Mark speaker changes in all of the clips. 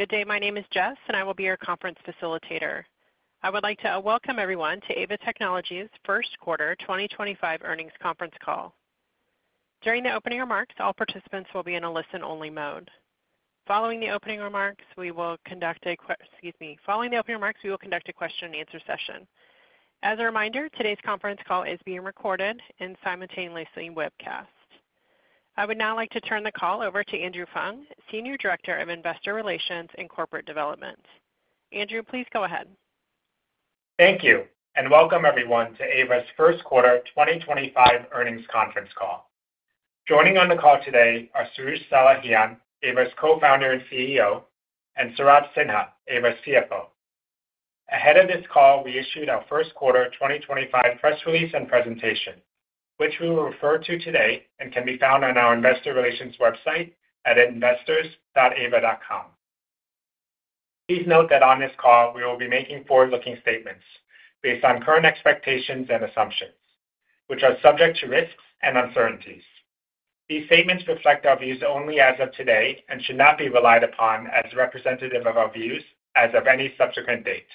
Speaker 1: Good day. My name is Jess, and I will be your conference facilitator. I would like to welcome everyone to Aeva Technologies' first quarter 2025 earnings conference call. During the opening remarks, all participants will be in a listen only mode. Following the opening remarks, we will conduct a—excuse me—following the opening remarks, we will conduct a Question and Answer session. As a reminder, today's conference call is being recorded and simultaneously webcast. I would now like to turn the call over to Andrew Fung, Senior Director of Investor Relations and Corporate Development. Andrew, please go ahead.
Speaker 2: Thank you, and welcome everyone to Aeva's first quarter 2025 earnings conference call. Joining on the call today are Soroush Salehian, Aeva's Co-founder and CEO, and Saurabh Sinha, Aeva's CFO. Ahead of this call, we issued our first quarter 2025 press release and presentation, which we will refer to today and can be found on our investor relations website at investors.aeva.com. Please note that on this call, we will be making forward-looking statements based on current expectations and assumptions, which are subject to risks and uncertainties. These statements reflect our views only as of today and should not be relied upon as representative of our views as of any subsequent date.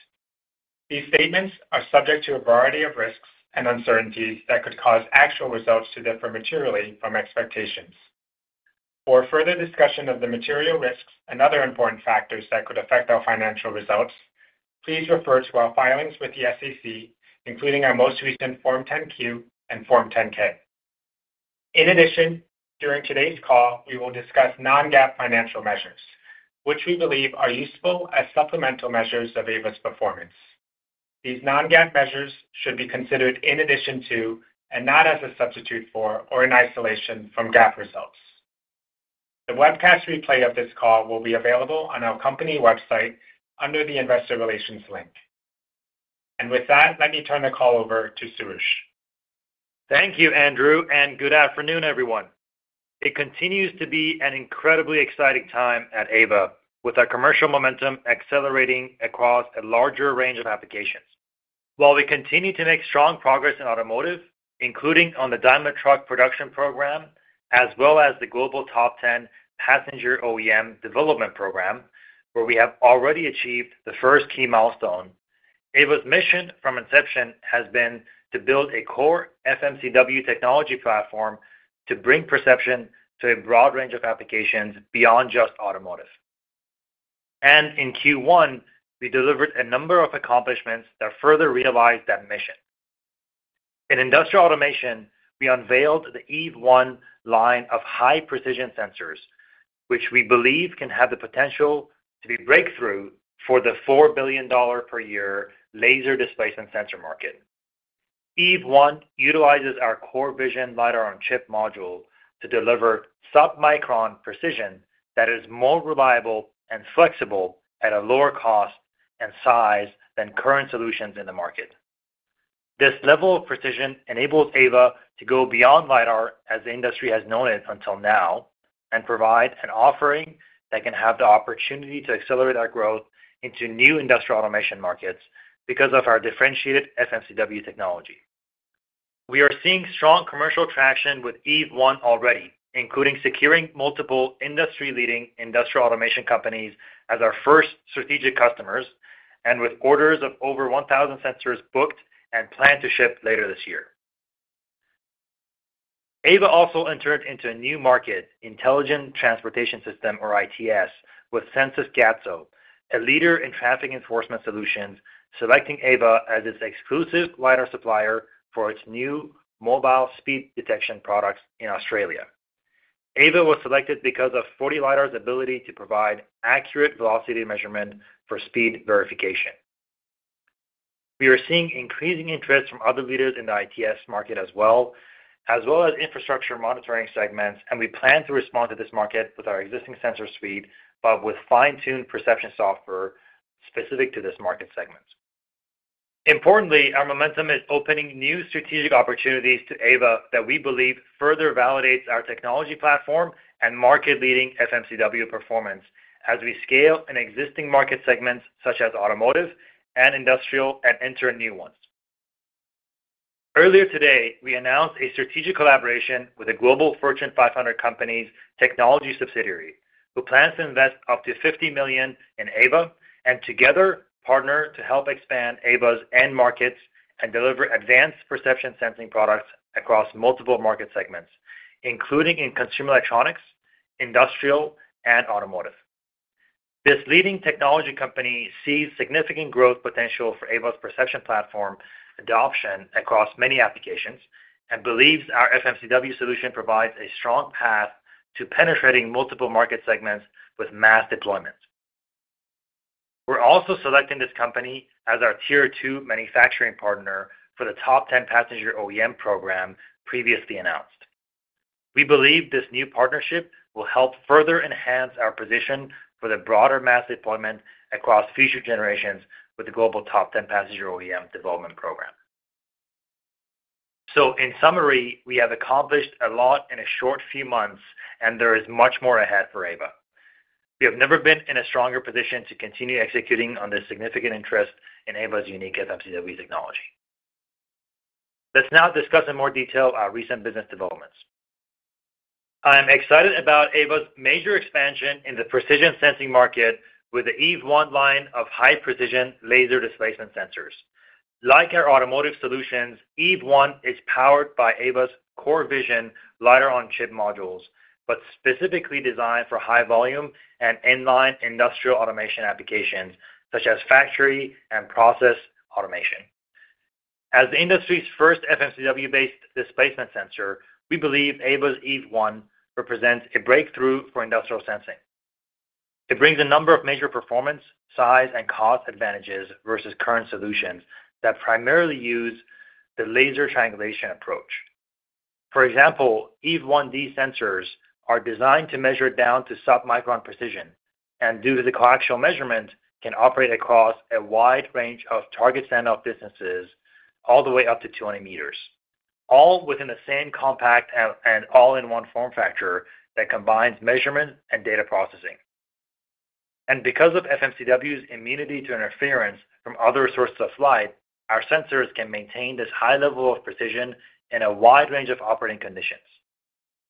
Speaker 2: These statements are subject to a variety of risks and uncertainties that could cause actual results to differ materially from expectations. For further discussion of the material risks and other important factors that could affect our financial results, please refer to our filings with the SEC, including our most recent Form 10Q and Form 10K. In addition, during today's call, we will discuss non-GAAP financial measures, which we believe are useful as supplemental measures of Aeva's performance. These non-GAAP measures should be considered in addition to, and not as a substitute for, or in isolation from GAAP results. The webcast replay of this call will be available on our company website under the investor relations link. With that, let me turn the call over to Soroush.
Speaker 3: Thank you, Andrew, and good afternoon, everyone. It continues to be an incredibly exciting time at Aeva with our commercial momentum accelerating across a larger range of applications. While we continue to make strong progress in automotive, including on the Daimler Truck Production Program, as well as the Global Top 10 Passenger OEM Development Program, where we have already achieved the first key milestone, Aeva's mission from inception has been to build a core FMCW technology platform to bring perception to a broad range of applications beyond just automotive. In Q1, we delivered a number of accomplishments that further realized that mission. In industrial automation, we unveiled the EVE-1 line of high-precision sensors, which we believe can have the potential to be a breakthrough for the $4 billion per year laser displacement sensor market. EVE-1 utilizes our core vision LiDAR on chip module to deliver sub-micron precision that is more reliable and flexible at a lower cost and size than current solutions in the market. This level of precision enables Aeva to go beyond LiDAR as the industry has known it until now and provide an offering that can have the opportunity to accelerate our growth into new industrial automation markets because of our differentiated FMCW technology. We are seeing strong commercial traction with EVE-1 already, including securing multiple industry-leading industrial automation companies as our first strategic customers and with orders of over 1,000 sensors booked and planned to ship later this year. Aeva also entered into a new market, Intelligent Transportation System, or ITS, with Sensys Gatso, a leader in traffic enforcement solutions, selecting Aeva as its exclusive LiDAR supplier for its new mobile speed detection products in Australia. Aeva was selected because of 4D LiDAR's ability to provide accurate velocity measurement for speed verification. We are seeing increasing interest from other leaders in the ITS market as well as infrastructure monitoring segments, and we plan to respond to this market with our existing sensor suite, but with fine-tuned perception software specific to this market segment. Importantly, our momentum is opening new strategic opportunities to Aeva that we believe further validates our technology platform and market-leading FMCW performance as we scale an existing market segment such as automotive and industrial and enter new ones. Earlier today, we announced a strategic collaboration with a global Fortune 500 technology subsidiary who plans to invest up to $50 million in Aeva and together partner to help expand Aeva's end markets and deliver advanced perception sensing products across multiple market segments, including in consumer electronics, industrial, and automotive. This leading technology company sees significant growth potential for Aeva's perception platform adoption across many applications and believes our FMCW solution provides a strong path to penetrating multiple market segments with mass deployments. We are also selecting this company as our tier two manufacturing partner for the top 10 passenger OEM program previously announced. We believe this new partnership will help further enhance our position for the broader mass deployment across future generations with the global top 10 passenger OEM development program. In summary, we have accomplished a lot in a short few months, and there is much more ahead for Aeva. We have never been in a stronger position to continue executing on this significant interest in Aeva's unique FMCW technology. Let's now discuss in more detail our recent business developments. I'm excited about Aeva's major expansion in the precision sensing market with the EVE-1 line of high-precision laser displacement sensors. Like our automotive solutions, EVE-1 is powered by Aeva's core vision LiDAR on chip modules, but specifically designed for high-volume and inline industrial automation applications such as factory and process automation. As the industry's first FMCW-based displacement sensor, we believe Aeva's EVE-1 represents a breakthrough for industrial sensing. It brings a number of major performance, size, and cost advantages versus current solutions that primarily use the laser triangulation approach. For example, EVE-1D sensors are designed to measure down to sub-micron precision and, due to the coaxial measurement, can operate across a wide range of target send-off distances all the way up to 200 meters, all within the same compact and all-in-one form factor that combines measurement and data processing. Because of FMCW's immunity to interference from other sources of light, our sensors can maintain this high level of precision in a wide range of operating conditions.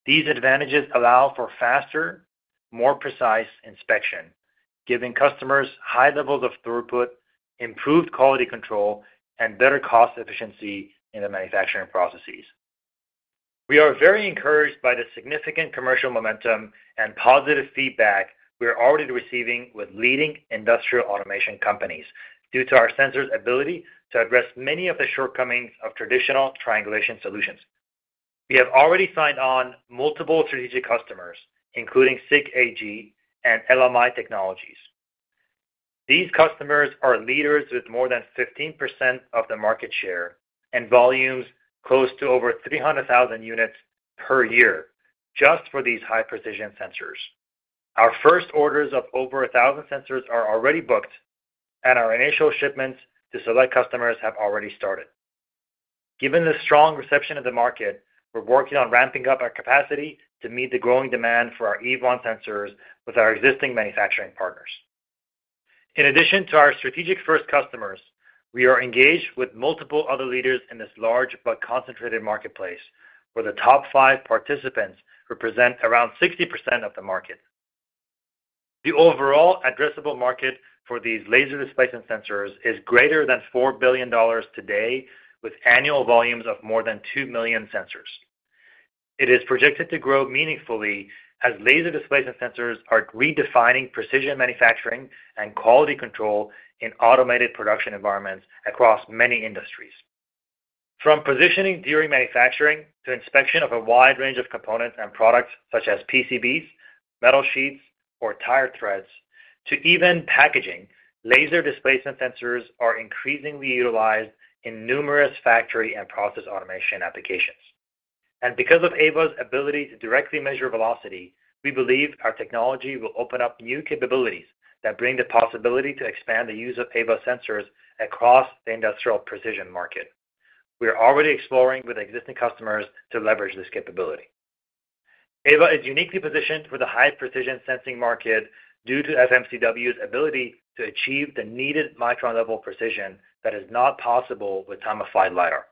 Speaker 3: These advantages allow for faster, more precise inspection, giving customers high levels of throughput, improved quality control, and better cost efficiency in the manufacturing processes. We are very encouraged by the significant commercial momentum and positive feedback we are already receiving with leading industrial automation companies due to our sensors' ability to address many of the shortcomings of traditional triangulation solutions. We have already signed on multiple strategic customers, including SICK AG and LMI Technologies. These customers are leaders with more than 15% of the market share and volumes close to over 300,000 units per year just for these high-precision sensors. Our first orders of over 1,000 sensors are already booked, and our initial shipments to select customers have already started. Given the strong reception of the market, we're working on ramping up our capacity to meet the growing demand for our EVE-1 sensors with our existing manufacturing partners. In addition to our strategic first customers, we are engaged with multiple other leaders in this large but concentrated marketplace, where the top five participants represent around 60% of the market. The overall addressable market for these laser displacement sensors is greater than $4 billion today, with annual volumes of more than 2 million sensors. It is projected to grow meaningfully as laser displacement sensors are redefining precision manufacturing and quality control in automated production environments across many industries. From positioning during manufacturing to inspection of a wide range of components and products such as PCBs, metal sheets, or tire treads, to even packaging, laser displacement sensors are increasingly utilized in numerous factory and process automation applications. Because of Aeva's ability to directly measure velocity, we believe our technology will open up new capabilities that bring the possibility to expand the use of Aeva sensors across the industrial precision market. We are already exploring with existing customers to leverage this capability. Aeva is uniquely positioned for the high-precision sensing market due to FMCW's ability to achieve the needed micron-level precision that is not possible with time-of-fl LiDAR.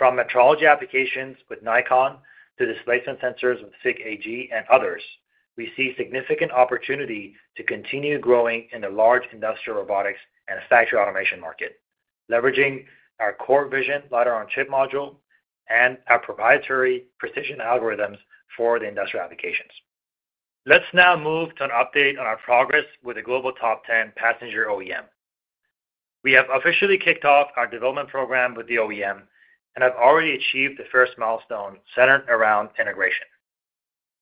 Speaker 3: From metrology applications with Nikon to displacement sensors with SICK AG and others, we see significant opportunity to continue growing in the large industrial robotics and factory automation market, leveraging our core vision LiDAR on chip module and our proprietary precision algorithms for the industrial applications. Let's now move to an update on our progress with the global top 10 passenger OEM. We have officially kicked off our development program with the OEM and have already achieved the first milestone centered around integration.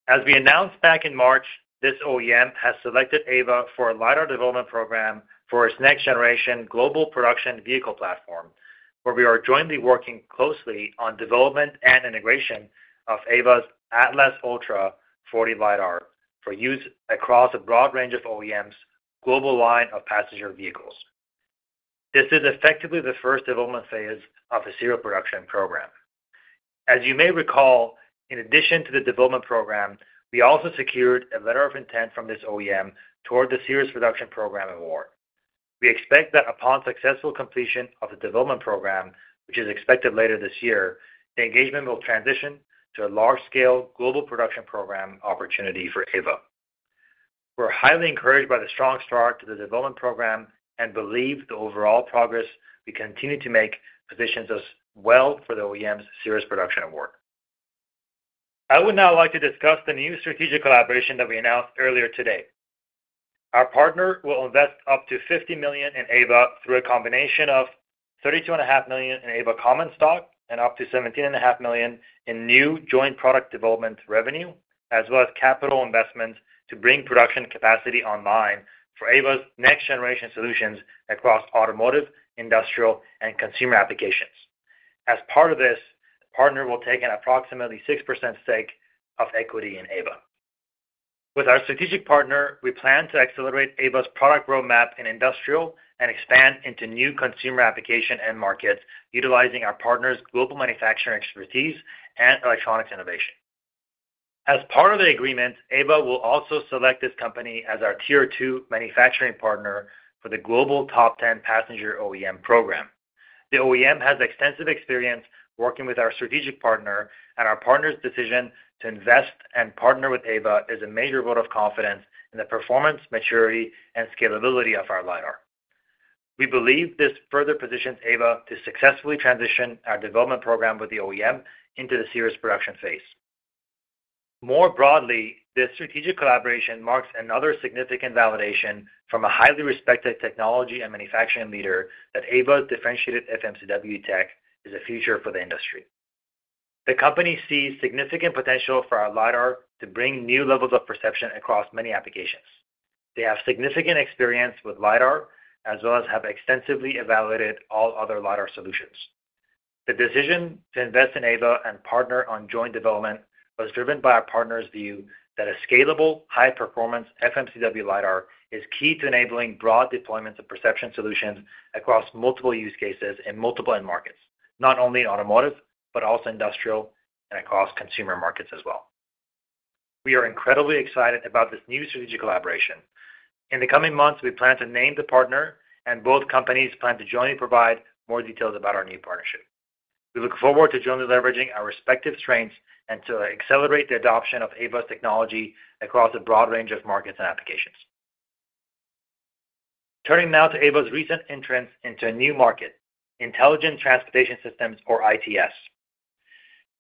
Speaker 3: As we announced back in March, this OEM has selected Aeva for a LiDAR development program for its next-generation global production vehicle platform, where we are jointly working closely on development and integration of Aeva's Atlas Ultra 40 LiDAR for use across a broad range of OEMs' global line of passenger vehicles. This is effectively the first development phase of a serial production program. As you may recall, in addition to the development program, we also secured a letter of intent from this OEM toward the series production program award. We expect that upon successful completion of the development program, which is expected later this year, the engagement will transition to a large-scale global production program opportunity for Aeva. We're highly encouraged by the strong start to the development program and believe the overall progress we continue to make positions us well for the OEM's series production award. I would now like to discuss the new strategic collaboration that we announced earlier today. Our partner will invest up to 50 million in Aeva through a combination of 32.5 million in Aeva Common Stock and up to 17.5 million in new joint product development revenue, as well as capital investments to bring production capacity online for Aeva's next-generation solutions across automotive, industrial, and consumer applications. As part of this, the partner will take an approximately 6% stake of equity in Aeva. With our strategic partner, we plan to accelerate Aeva's product roadmap in industrial and expand into new consumer application and markets utilizing our partner's global manufacturing expertise and electronics innovation. As part of the agreement, Aeva will also select this company as our tier two manufacturing partner for the global top 10 passenger OEM program. The OEM has extensive experience working with our strategic partner, and our partner's decision to invest and partner with Aeva is a major vote of confidence in the performance, maturity, and scalability of our LiDAR. We believe this further positions Aeva to successfully transition our development program with the OEM into the series production phase. More broadly, this strategic collaboration marks another significant validation from a highly respected technology and manufacturing leader that Aeva's differentiated FMCW tech is a future for the industry. The company sees significant potential for our LiDAR to bring new levels of perception across many applications. They have significant experience with LiDAR, as well as have extensively evaluated all other LiDAR solutions. The decision to invest in Aeva and partner on joint development was driven by our partner's view that a scalable, high-performance FMCW LiDAR is key to enabling broad deployments of perception solutions across multiple use cases in multiple end markets, not only in automotive, but also industrial and across consumer markets as well. We are incredibly excited about this new strategic collaboration. In the coming months, we plan to name the partner, and both companies plan to jointly provide more details about our new partnership. We look forward to jointly leveraging our respective strengths and to accelerate the adoption of Aeva's technology across a broad range of markets and applications. Turning now to Aeva's recent entrance into a new market, Intelligent Transportation Systems, or ITS.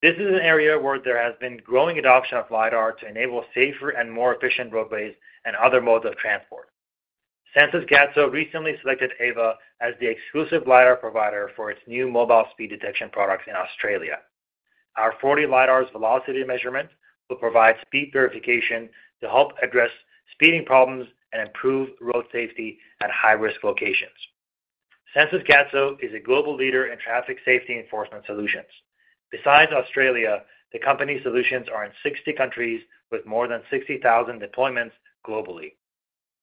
Speaker 3: This is an area where there has been growing adoption of LiDAR to enable safer and more efficient roadways and other modes of transport. Sensys Gatso recently selected Aeva as the exclusive LiDAR provider for its new mobile speed detection products in Australia. Our 4D LiDAR's velocity measurement will provide speed verification to help address speeding problems and improve road safety at high-risk locations. Sensus Gatso is a global leader in traffic safety enforcement solutions. Besides Australia, the company's solutions are in 60 countries with more than 60,000 deployments globally.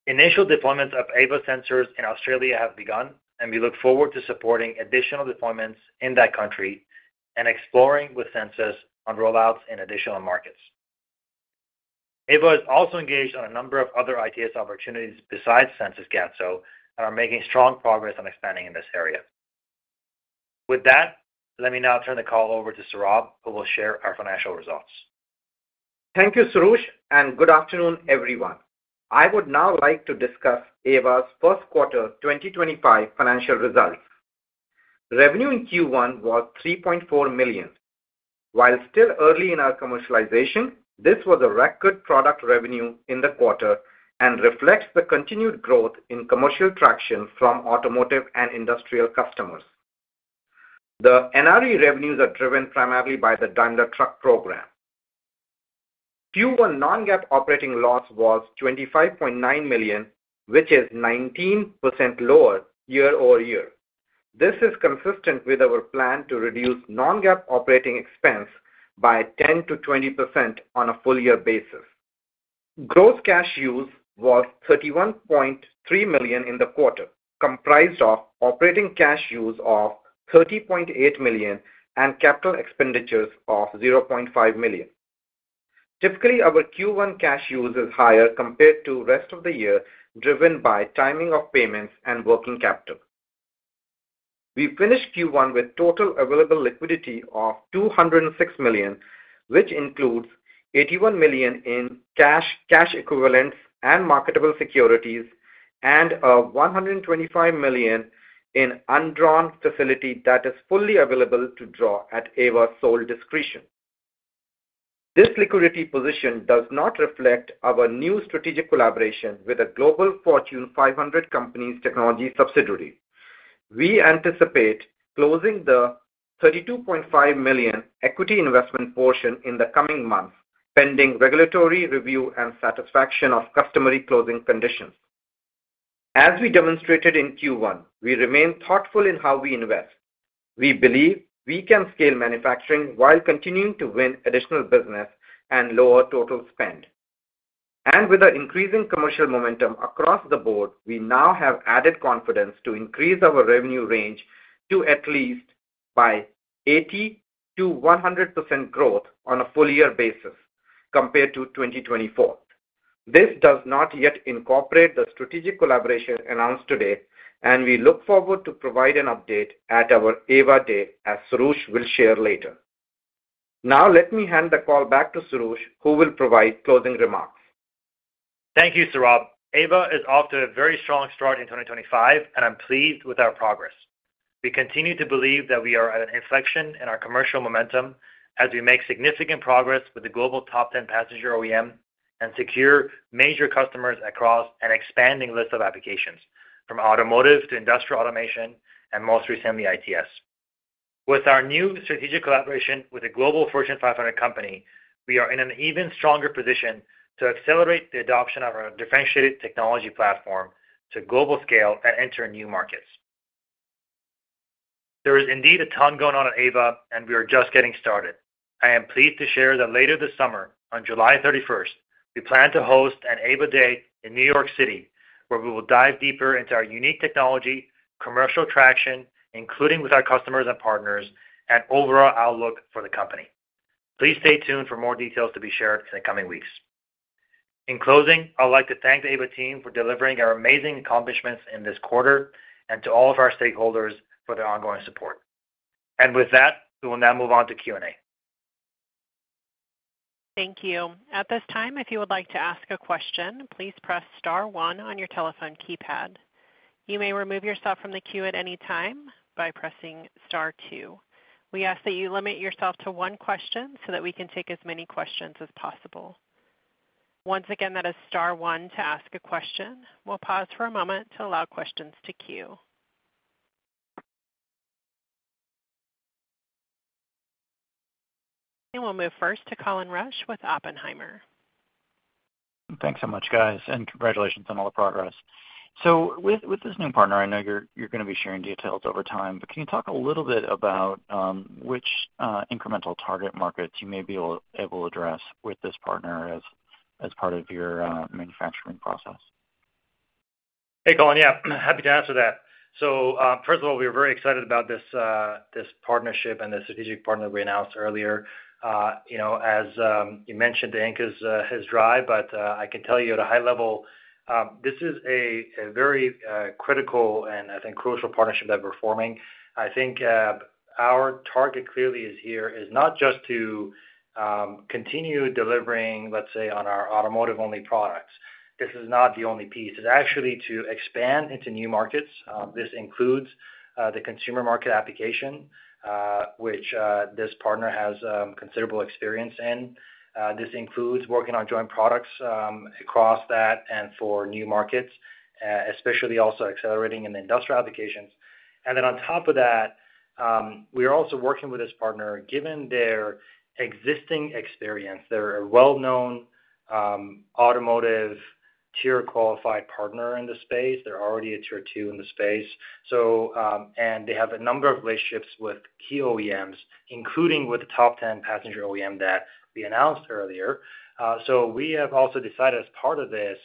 Speaker 3: Initial deployments of Aeva sensors in Australia have begun, and we look forward to supporting additional deployments in that country and exploring with sensors on rollouts in additional markets. Aeva is also engaged on a number of other ITS opportunities besides Sensus Gatso and are making strong progress on expanding in this area. With that, let me now turn the call over to Saurabh, who will share our financial results.
Speaker 4: Thank you, Soroush, and good afternoon, everyone. I would now like to discuss Aeva's first quarter 2025 financial results. Revenue in Q1 was 3.4 million. While still early in our commercialization, this was a record product revenue in the quarter and reflects the continued growth in commercial traction from automotive and industrial customers. The NRE revenues are driven primarily by the Daimler Truck program. Q1 non-GAAP operating loss was 25.9 million, which is 19% lower year-over-year. This is consistent with our plan to reduce non-GAAP operating expense by 10%-20% on a full-year basis. Gross cash use was $31.3 million in the quarter, comprised of operating cash use of $30.8 million and capital expenditures of $0.5 million. Typically, our Q1 cash use is higher compared to the rest of the year, driven by timing of payments and working capital. We finished Q1 with total available liquidity of 206 million, which includes $81 million in cash, cash equivalents, and marketable securities, and $125 million in undrawn facility that is fully available to draw at Aeva's sole discretion. This liquidity position does not reflect our new strategic collaboration with a global Fortune 500 technology subsidiary. We anticipate closing the 32.5 million equity investment portion in the coming months, pending regulatory review and satisfaction of customary closing conditions. As we demonstrated in Q1, we remain thoughtful in how we invest. We believe we can scale manufacturing while continuing to win additional business and lower total spend. With our increasing commercial momentum across the board, we now have added confidence to increase our revenue range to at least 80%-100% growth on a full-year basis compared to 2024. This does not yet incorporate the strategic collaboration announced today, and we look forward to providing an update at our Aeva Day as Soroush will share later. Now, let me hand the call back to Soroush, who will provide closing remarks.
Speaker 3: Thank you, Saurabh. Aeva is off to a very strong start in 2025, and I'm pleased with our progress. We continue to believe that we are at an inflection in our commercial momentum as we make significant progress with the global top 10 passenger OEM and secure major customers across an expanding list of applications, from automotive to industrial automation and most recently ITS. With our new strategic collaboration with a global Fortune 500 company, we are in an even stronger position to accelerate the adoption of our differentiated technology platform to global scale and enter new markets. There is indeed a ton going on at Aeva, and we are just getting started. I am pleased to share that later this summer, on July 31st, we plan to host an Aeva day in New York City, where we will dive deeper into our unique technology, commercial traction, including with our customers and partners, and overall outlook for the company. Please stay tuned for more details to be shared in the coming weeks. In closing, I'd like to thank the Aeva team for delivering our amazing accomplishments in this quarter and to all of our stakeholders for their ongoing support. With that, we will now move on to Q&A.
Speaker 1: Thank you. At this time, if you would like to ask a question, please press star one on your telephone keypad. You may remove yourself from the queue at any time by pressing star two. We ask that you limit yourself to one question so that we can take as many questions as possible. Once again, that is to ask a question. We'll pause for a moment to allow questions to queue. We'll move first to Colin Rusch with Oppenheimer.
Speaker 5: Thanks so much, guys, and congratulations on all the progress. With this new partner, I know you're going to be sharing details over time, but can you talk a little bit about which incremental target markets you may be able to address with this partner as part of your manufacturing process?
Speaker 3: Hey, Colin, yeah, happy to answer that. First of all, we are very excited about this partnership and the strategic partner that we announced earlier. As you mentioned, the ink is dry, but I can tell you at a high level, this is a very critical and, I think, crucial partnership that we're forming. I think our target clearly here is not just to continue delivering, let's say, on our automotive-only products. This is not the only piece. It's actually to expand into new markets. This includes the consumer market application, which this partner has considerable experience in. This includes working on joint products across that and for new markets, especially also accelerating in the industrial applications. On top of that, we are also working with this partner, given their existing experience. They're a well-known automotive tier qualified partner in the space. They're already a tier two in the space. They have a number of relationships with key OEMs, including with the top 10 passenger OEM that we announced earlier. We have also decided, as part of this,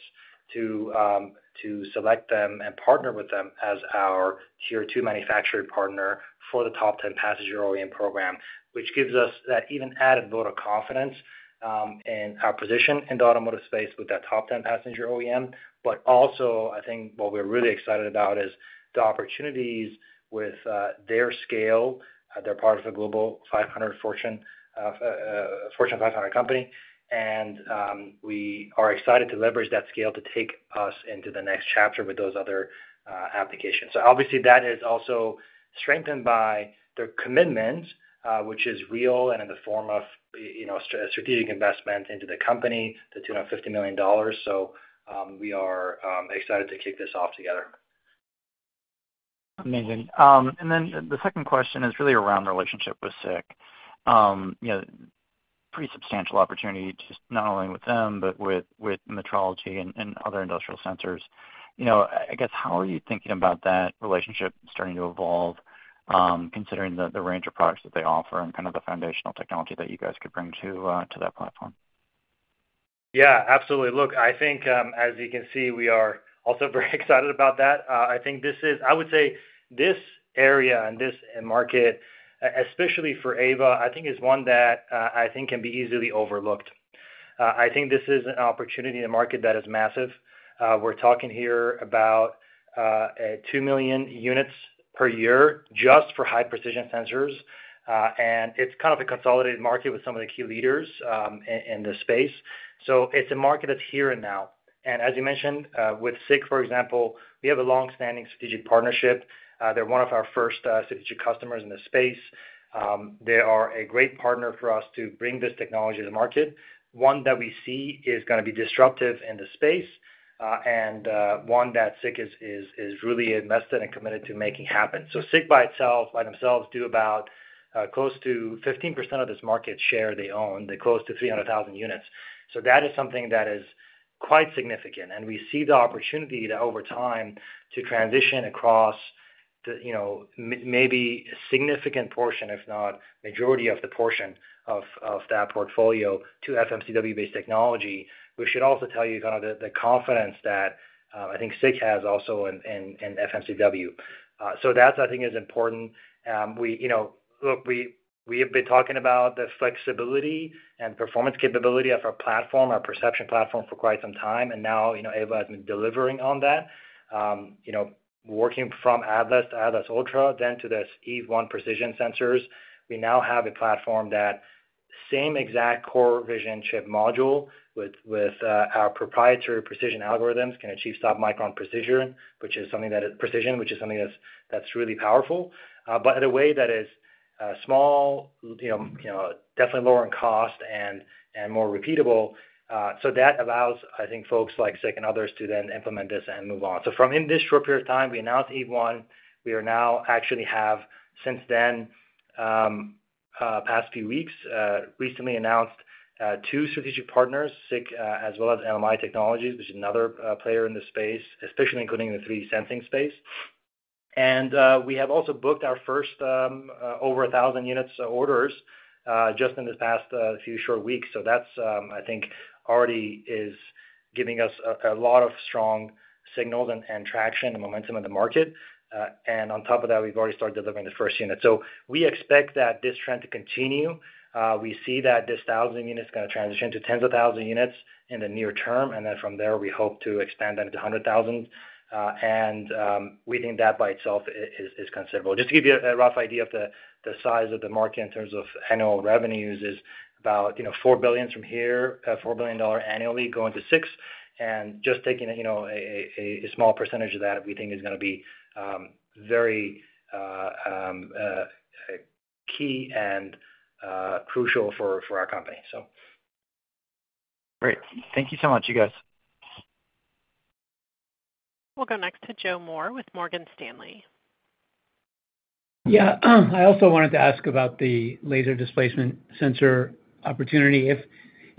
Speaker 3: to select them and partner with them as our tier two manufacturing partner for the top 10 passenger OEM program, which gives us that even added vote of confidence in our position in the automotive space with that top 10 passenger OEM. What we're really excited about is the opportunities with their scale. They're part of a global Fortune 500 company. We are excited to leverage that scale to take us into the next chapter with those other applications. Obviously, that is also strengthened by their commitment, which is real and in the form of strategic investment into the company, the $250 million. We are excited to kick this off together.
Speaker 5: Amazing. The second question is really around the relationship with SICK. Pretty substantial opportunity just not only with them, but with metrology and other industrial sensors. I guess, how are you thinking about that relationship starting to evolve, considering the range of products that they offer and kind of the foundational technology that you guys could bring to that platform?
Speaker 3: Yeah, absolutely. Look, I think, as you can see, we are also very excited about that. I think this is, I would say, this area and this market, especially for Aeva, I think is one that I think can be easily overlooked. I think this is an opportunity in a market that is massive. We're talking here about 2 million units per year just for high-precision sensors. And it's kind of a consolidated market with some of the key leaders in the space. It is a market that's here and now. As you mentioned, with SICK, for example, we have a long-standing strategic partnership. They are one of our first strategic customers in the space. They are a great partner for us to bring this technology to the market, one that we see is going to be disruptive in the space, and one that SICK is really invested and committed to making happen. SICK by themselves do about close to 15% of this market share they own, the close to 300,000 units. That is something tha is quite significant. We see the opportunity to, over time, transition across maybe a significant portion, if not majority of the portion of that portfolio to FMCW-based technology. We sould also tell you kind of the confidence that I think SICK has also in FMCW. That, I think, is important. Look, we have been talking about the flexibility and performance capability of our platform, our perception platform, for quite some time. Aeva has been delivering on that, working from Atlas to Atlas Ultra, then to these E1 precision sensors. We now have a platform that same exact core vision chip module with our proprietary precision algorithms can achieve submicron precision, which is something that's really powerful, but in a way that is small, definitely lower in cost, and more repeatable. That allows, I think, folks like SICK and others to then implement this and move on. In this short period of time, we announced E1. We now actually have, since then, past few weeks, recently announced two strategic partners, SICK as well as LMI Technologies, which is another player in the space, especially including the 3D sensing space. We have also booked our first over 1,000 units orders just in this past few short weeks. That, I think, already is giving us a lot of strong signals and traction and momentum in the market. On top of that, we've already started delivering the first unit. We expect that this trend to continue. We see that this 1,000 units is going to transition to tens of thousand units in the near term. From there, we hope to expand that into 100,000. We think that by itself is considerable. Just to give you a rough idea of the size of the market in terms of annual revenues, it is about 4 billion from here, 4 billion annually going to SICK. Just taking a small percentage of that, we think, is going to be very key and crucial for our company.
Speaker 5: Thank you so much you guys.
Speaker 1: We'll go next to Joe Moore with Morgan Stanley.
Speaker 6: Yeah. I also wanted to ask about the laser displacement sensor opportunity.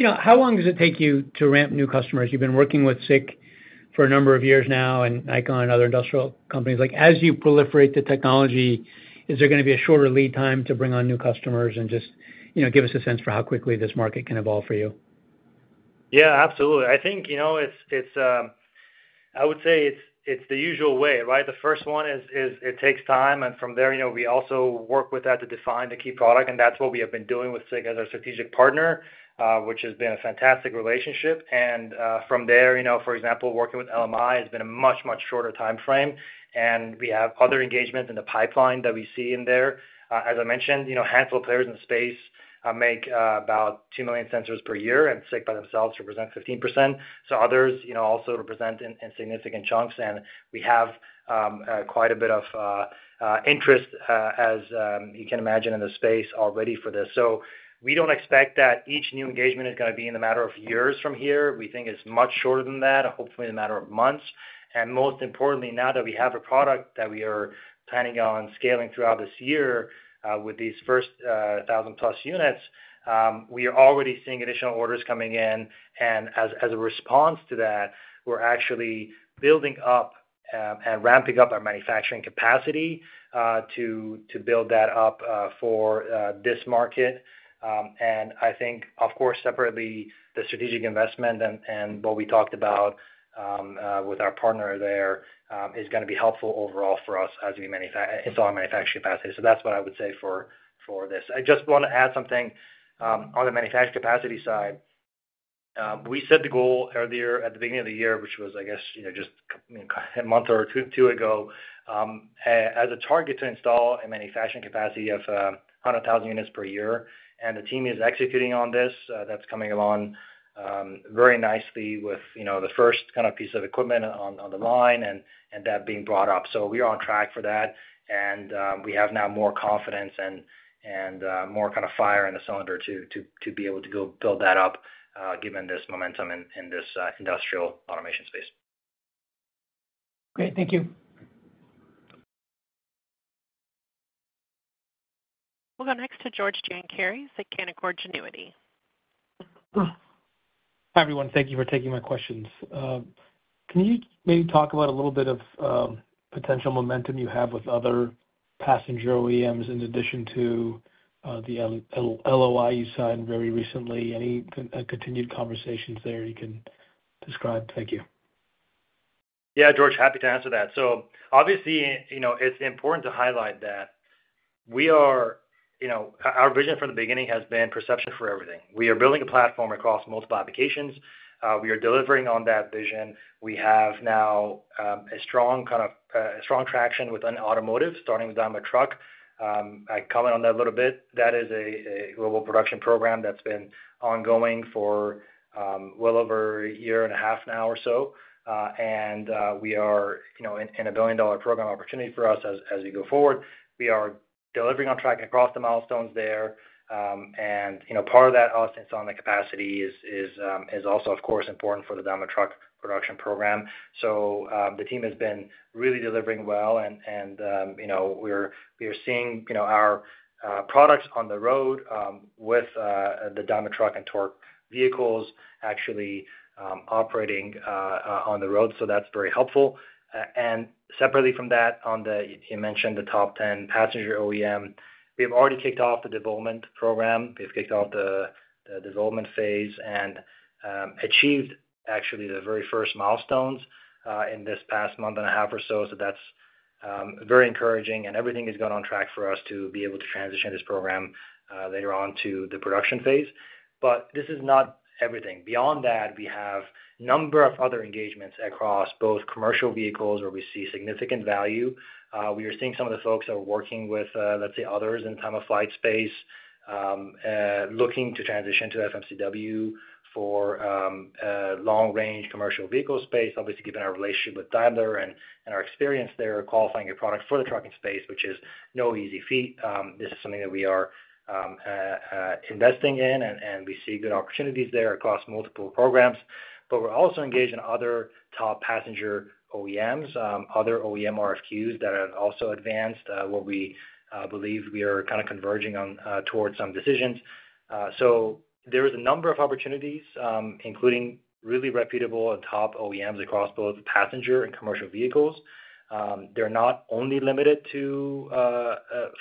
Speaker 6: How long does it take you to ramp new customers? You've been working with SICK for a number of years now and Nikon and other industrial companies. As you proliferate the technology, is there going to be a shorter lead time to bring on new customers and just give us a sense for how quickly this market can evolve for you?
Speaker 3: Yeah, absolutely. I think it's, I would say it's the usual way, right? The first one is it takes time. From there, we also work with that to define the key product. That's what we have been doing with SICK as our strategic partner, which has been a fantastic relationship. For example, working with LMI has been a much, much shorter timeframe. We have other engagements in the pipeline that we see in there. As I mentioned, a handful of players in the space make about 2 million sensors per year, and SICK by themselves represents 15%. Others also represent significant chunks. We have quite a bit of interest, as you can imagine, in the space already for this. We do not expect that each new engagement is going to be in the matter of years from here. We think it is much shorter than that, hopefully in the matter of months. Most importantly, now that we have a product that we are planning on scaling throughout this year with these first 1,000-plus units, we are already seeing additional orders coming in. As a response to that, we're actually building up and ramping up our manufacturing capacity to build that up for this market. I think, of course, separately, the strategic investment and what we talked about with our partner there is going to be helpful overall for us in our manufacturing capacity. That is what I would say for this. I just want to add something on the manufacturing capacity side. We set the goal earlier at the beginning of the year, which was, I guess, just a month or two ago, as a target to install a manufacturing capacity of 100,000 units per year. The team is executing on this. That is coming along very nicely with the first kind of piece of equipment on the line and that being brought up. We are on track for that. We have now more confidence and more kind of fire in the cylinder to be able to go build that up, given this momentum in this industrial automation space.
Speaker 6: Great. Thank you.
Speaker 1: We will go next to George Giannelli at Canaccord Genuity.
Speaker 7: Hi, everyone. Thank you for taking my questions. Can you maybe talk about a little bit of potential momentum you have with other passenger OEMs in addition to the LOI you signed very recently? Any continued conversations there you can describe? Thank you.
Speaker 3: Yeah, George, happy to answer that. Obviously, it is important to highlight that our vision from the beginning has been perception for everything. We are building a platform across multiple applications. We are delivering on that vision. We have now a strong kind of strong traction within automotive, starting with the automotive truck. I comment on that a little bit. That is a global production program that's been ongoing for well over a year and a half now or so. We are in a billion-dollar program opportunity for us as we go forward. We are delivering on track across the milestones there. Part of that, obviously, it's on the capacity is also, of course, important for the Daimler Truck production program. The team has been really delivering well. We are seeing our products on the road with the Daimler Truck and torc vehicles actually operating on the road. That's very helpful. Separately from that, you mentioned the top 10 passenger OEM. We have already kicked off the development program. We've kicked off the development phase and achieved, actually, the very first milestones in this past month and a half or so. That's very encouraging. Everything has gone on track for us to be able to transition this program later on to the production phase. This is not everything. Beyond that, we have a number of other engagements across both commercial vehicles where we see significant value. We are seeing some of the folks that are working with, let's say, others in the time-of-flight space, looking to transition to FMCW for long-range commercial vehicle space, obviously, given our relationship with Daimler and our experience there qualifying your product for the trucking space, which is no easy feat. This is something that we are investing in, and we see good opportunities there across multiple programs. We are also engaged in other top passenger OEMs, other OEM RFQs that have also advanced where we believe we are kind of converging towards some decisions. There is a number of opportunities, including really reputable and top OEMs across both passenger and commercial vehicles. They're not only limited to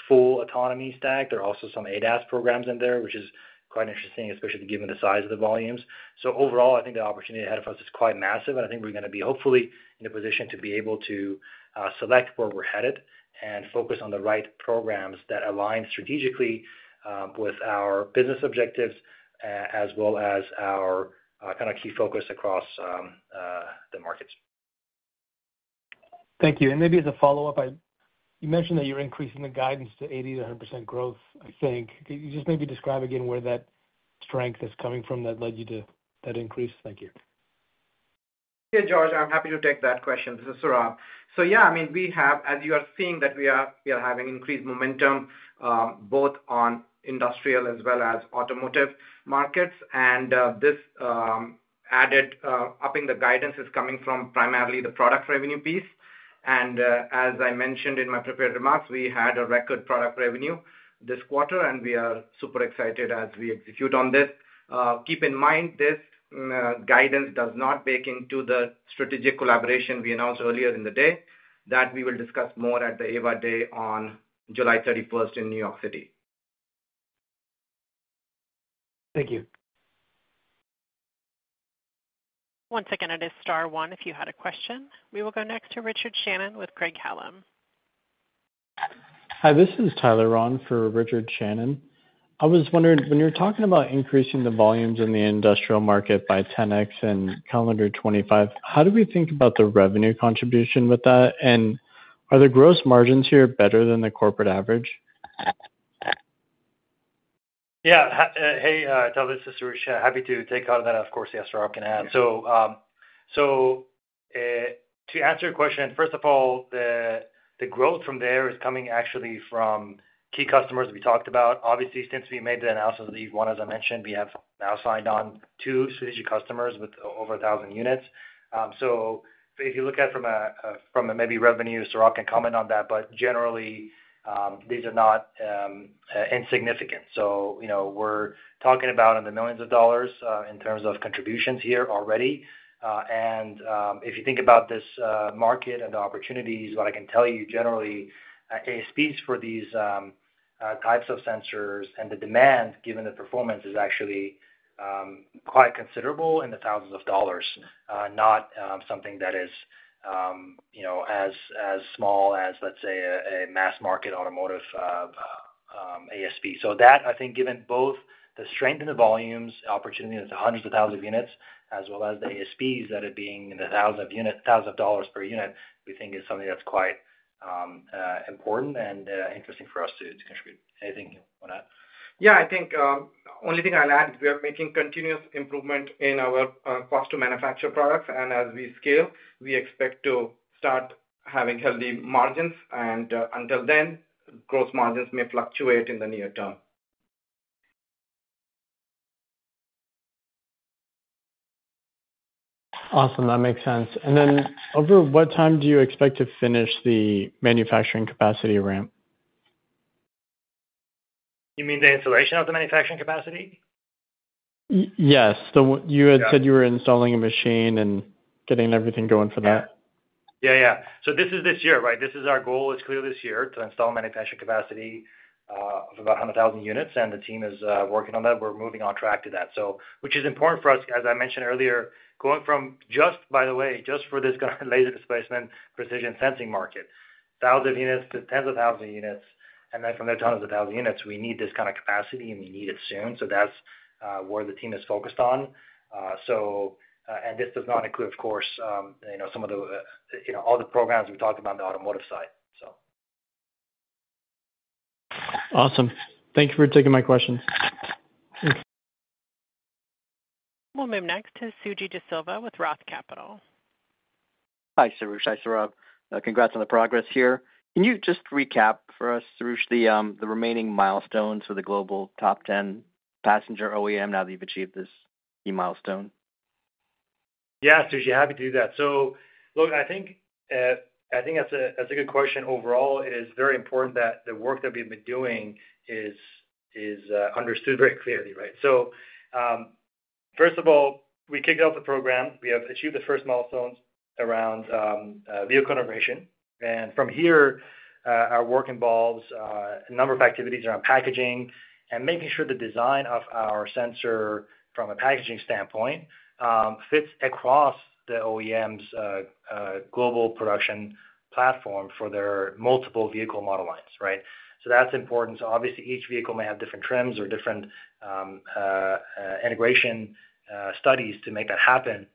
Speaker 3: full autonomy stack. There are also some ADAS programs in there, which is quite interesting, especially given the size of the volumes. Overall, I think the opportunity ahead of us is quite massive. I think we're going to be, hopefully, in a position to be able to select where we're headed and focus on the right programs that align strategically with our business objectives as well as our kindof key focus across the markets.
Speaker 7: Thank you. Maybe as a follow-up, you mentioned that you're increasing the guidance to 80% to 100% growth, I think. Could you just maybe describe again where that strength is coming from that led you to that increase? Thank you.
Speaker 3: Thank you, George.
Speaker 4: I'm happy to take that question. This is Saurabh. Yeah, I mean, we have, as you are seeing, that we are having increased momentum both on industrial as well as automotive markets. This added upping the guidance is coming from primarily the product revenue piece. As I mentioned in my prepared remarks, we had a record product revenue this quarter, and we are super excited as we execute on this. Keep in mind, this guidance does not bake into the strategic collaboration we announced earlier in the day that we will discuss more at the Aeva Day on July 31st, 2025 in New York City.
Speaker 7: Thank you.
Speaker 1: One second. It is star one if you had a question. We will go next to Richard Shannon with Craig-Hallum.
Speaker 8: Hi, this is Tyler Ron for Richard Shannon. I was wondering, when you're talking about increasing the volumes in the industrial market by 10x in calendar 2025, how do we think about the revenue contribution with that? Are the gross margins here better than the corporate average?
Speaker 9: Yeah. Hey, Tyler, this is Richard. Happy to take part of that, of course, yes, I can add. To answer your question, first of all, the growth from there is coming actually from key customers that we talked about. Obviously, since we made the announcement of the EVE-1, as I mentioned, we have now signed on two strategic customers with over 1,000 units. If you look at it from a maybe revenue, Saurabh can comment on that, but generally, these are not insignificant. We're talking about in the millions of dollars in terms of contributions here already. If you think about this market and the opportunities, what I can tell you generally, ASPs for these types of sensors and the demand, given the performance, is actually quite considerable in the thousands of dollars, not something that is as small as, let's say, a mass-market automotive ASP. That, I think, given both the strength in the volumes, opportunity to hundreds of thousands of units, as well as the ASPs that are being in the thousands of dollars per unit, we think is something that's quite important and interesting for us to contribute. Anything on that?
Speaker 3: Yeah, I think the only thing I'll add is we are making continuous improvement in our cost-to-manufacture products. As we scale, we expect to start having healthy margins. Until then, gross margins may fluctuate in the near term.
Speaker 9: Awesome. That makes sense. Over what time do you expect to finish the manufacturing capacity ramp?
Speaker 3: You mean the installation of the manufacturing capacity?
Speaker 9: Yes. You had said you were installing a machine and getting everything going for that.
Speaker 3: Yeah, yeah. This is this year, right? Our goal is clear this year to install manufacturing capacity of about 100,000 units. The team is working on that. We're moving on track to that, which is important for us, as I mentioned earlier, going from just, by the way, just for this kind of laser displacement precision sensing market, 10,000. From those 10,000, we need this kind of capacity, and we need it soon. That is where the team is focused on. This does not include, of course, some of all the programs we talked about on the automotive side.
Speaker 9: Awesome. Thank you for taking my questions.
Speaker 1: We'll move next to Sujeeva De Silva with Roth Capital.
Speaker 10: Hi, Sujeeva. Hi, Saurabh. Congrats on the progress here. Can you just recap for us, Sujeeva, the remaining milestones for the global top 10 passenger OEM now that you've achieved this key milestone?
Speaker 3: Yeah, Sujeeva, happy to do that. I think that's a good question. Overall, it is very important that the work that we've been doing is understood very clearly, right? First of all, we kicked off the program. We have achieved the first milestones around vehicle integration. From here, our work involves a number of activities around packaging and making sure the design of our sensor, from a packaging standpoint, fits across the OEM's global production platform for their multiple vehicle model lines, right? That is important. Obviously, each vehicle may have different trims or different integration studies to make that happen.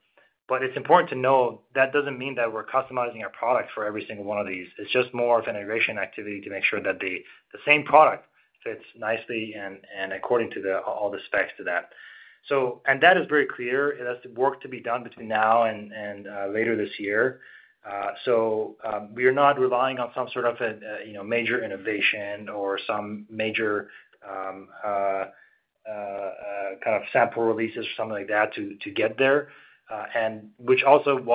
Speaker 3: It is important to know that does not mean that we are customizing our product for every single one of these. It is just more of an integration activity to make sure that the same product fits nicely and according to all the specs to that. That is very clear. It has work to be done between now and later this year. We are not relying on some sort of major innovation or some major kind of sample releases or something like that to get there, which also is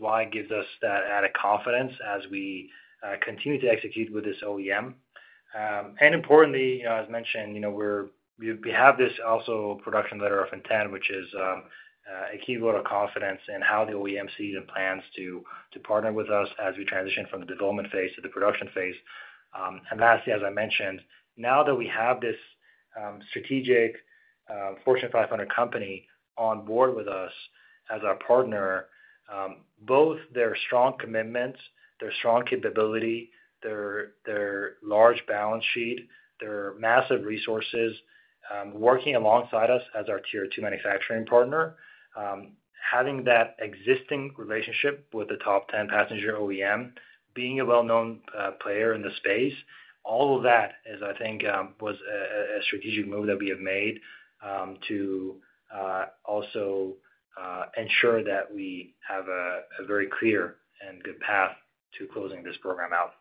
Speaker 3: why it gives us that added confidence as we continue to execute with this OEM. Importantly, as mentioned, we have this also production letter of intent, which is a key vote of confidence in how the OEM sees and plans to partner with us as we transition from the development phase to the production phase. Lastly, as I mentioned, now that we have this strategic Fortune 500 company on board with us as our partner, both their strong commitments, their strong capability, their large balance sheet, their massive resources, working alongside us as our tier two manufacturing partner, having that existing relationship with the top 10 passenger OEM, being a well-known player in the space, all of that, I think, was a strategic move that we have made to also ensure that we have a very clear and good path to closing this program out.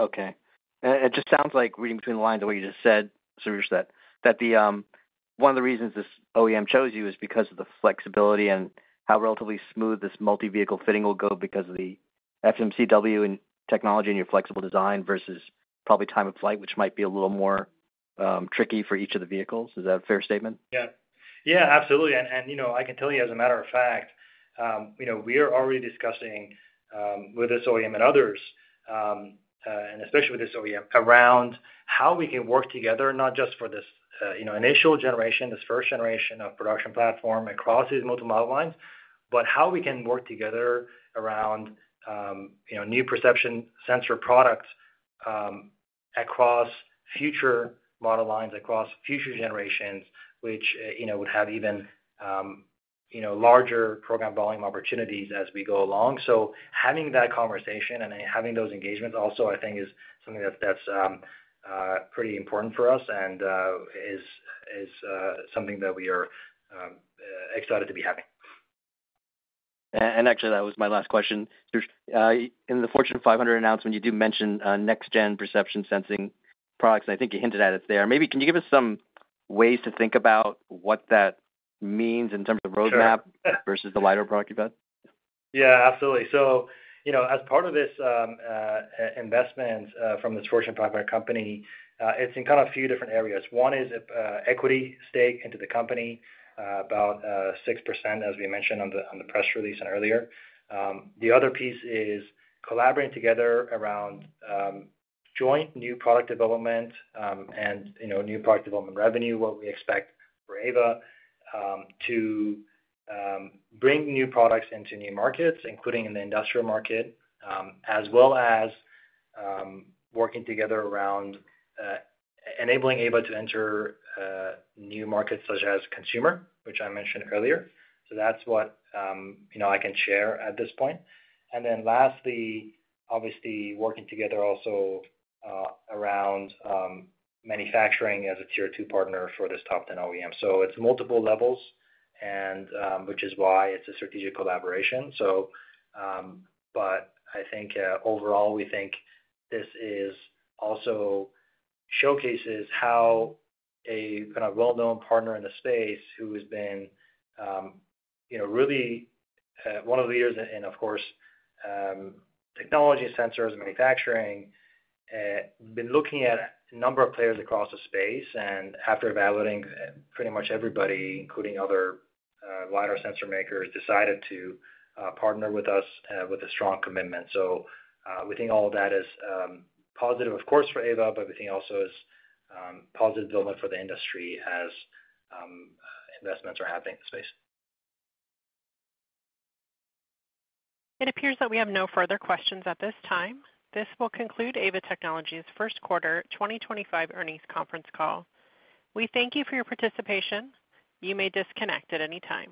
Speaker 10: Okay. It just sounds like reading between the lines of what you just said, Suji, that one of the reasons this OEM chose you is because of the flexibility and how relatively smooth this multi-vehicle fitting will go because of the FMCW technology and your flexible design versus probably time of flight, which might be a little more tricky for each of the vehicles. Is that a fair statement?
Speaker 3: Yeah. Yeah, absolutely. I can tell you, as a matter of fact, we are already discussing with this OEM and others, and especially with this OEM, around how we can work together, not just for this initial generation, this first generation of production platform across these multiple model lines, but how we can work together around new perception sensor products across future model lines, across future generations, which would have even larger program volume opportunities as we go along. Having that conversation and having those engagements also, I think, is something that's pretty important for us and is something that we are excited to be having.
Speaker 10: Actually, that was my last question. In the Fortune 500 announcement, you do mention next-gen perception sensing products. I think you hinted at it there. Maybe can you give us some ways to think about what that means in terms of the roadmap versus the LiDAR product you've had?
Speaker 3: Yeah, absolutely. As part of this investment from this Fortune 500 company, it's in kind of a few different areas. One is equity stake into the company, about 6%, as we mentioned on the press release earlier. The other piece is collaborating together around joint new product development and new product development revenue, what we expect for Aeva to bring new products into new markets, including in the industrial market, as well as working together around enabling Aeva to enter new markets such as consumer, which I mentioned earlier. That is what I can share at this point. Lastly, obviously, working together also around manufacturing as a tier two partner for this top 10 OEM. It is multiple levels, which is why it is a strategic collaboration. I think overall, we think this also showcases how a kind of well-known partner in the space who has been really one of the leaders in, of course, technology sensors and manufacturing, been looking at a number of players across the space. After evaluating pretty much everybody, including other LiDAR sensor makers, decided to partner with us with a strong commitment. We think all of that is positive, of course, for Aeva, but we think also is a positive development for the industry as investments are happening in the space. It appears that we have no further questions at this time. This will conclude Aeva Technologies' first quarter 2025 earnings conference call. We thank you for your participation. You may disconnect at any time.